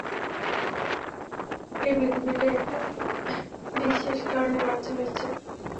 এই পৃথিবীটা একটা বিশেষ কারণে বাছা হয়েছে।